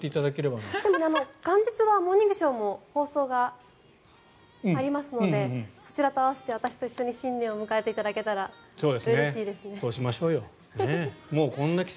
元日は「モーニングショー」も放送がありますのでそちらと合わせて、私と一緒に新年を迎えていただけたらうれしいです。